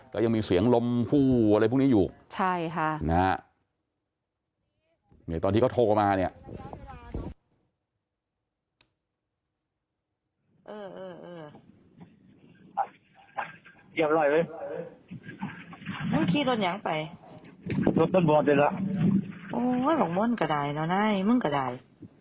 ก็ยังมีเสียงลมผู้อะไรพวกนี้อยู่ใช่ค่ะนะฮะเนี่ยตอนที่เขาโทรมาเนี่ย